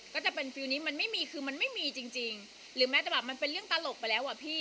ก็จะเป็นฟิลลนี้มันไม่มีคือมันไม่มีจริงหรือแม้แต่แบบมันเป็นเรื่องตลกไปแล้วอ่ะพี่